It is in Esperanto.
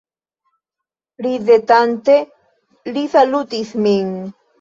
Ridetante li salutis min.